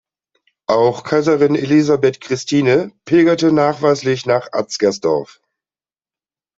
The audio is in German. Auch Kaiserin Elisabeth Christine pilgerte nachweislich nach Atzgersdorf.